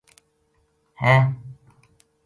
ہے